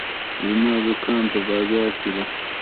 زما دوکان په بازار کې ده.